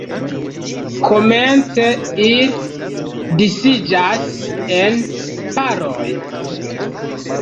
Komence ili disiĝas en paroj.